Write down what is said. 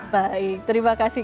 baik terima kasih